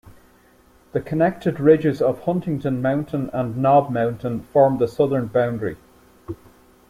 The connected ridges of Huntington Mountain and Knob Mountain form the southern boundary.